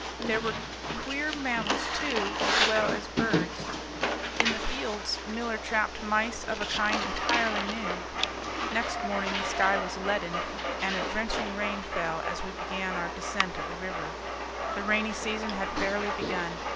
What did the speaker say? There were queer mammals, too, as well as birds. In the fields Miller trapped mice of a kind entirely new. Next morning the sky was leaden, and a drenching rain fell as we began our descent of the river. The rainy season had fairly begun.